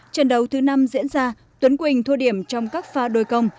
trận đấu thứ năm diễn ra tuấn quỳnh thua điểm trong các pha đôi công